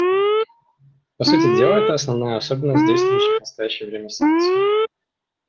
По сути дела, это основная особенность действующих в настоящее время санкций.